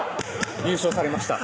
優勝されました